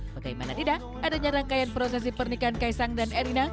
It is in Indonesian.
bagaimana tidak adanya rangkaian prosesi pernikahan kaisang dan erina